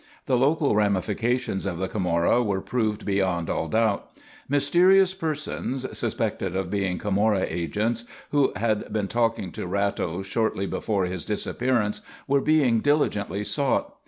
The local ramifications of the Camorra were proved beyond all doubt. Mysterious persons, suspected of being Camorra agents, who had been seen talking to Ratto shortly before his disappearance, were being diligently sought.